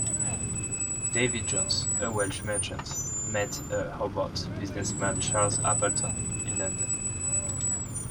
David Jones, a Welsh merchant, met a Hobart businessman Charles Appleton in London.